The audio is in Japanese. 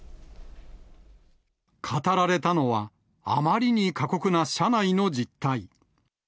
語られたのは、あまりに過酷な社内の実態。